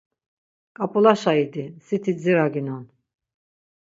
K̆ap̌ulaşa idi, siti dziraginon.